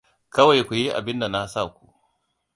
Kawai ku yi abinda na saku.